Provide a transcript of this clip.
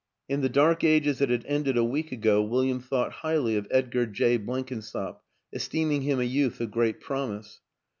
(In the dark ages that had ended a week ago William thought highly of Edgar Jay Blenkinsop, esteeming him a youth of great promise.)